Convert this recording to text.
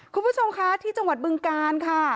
คุณผู้ชมคะที่จังหวัดบึงการค่ะ